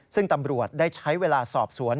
ซึ่งตำรวจได้ใช้เวลาสอบสวน